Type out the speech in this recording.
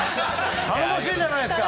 頼もしいじゃないですか。